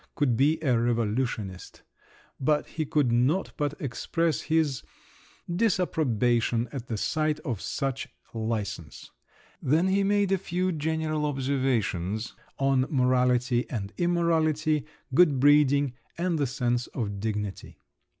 … could be a revolutionist—but he could not but express his … disapprobation at the sight of such licence! Then he made a few general observations on morality and immorality, good breeding, and the sense of dignity.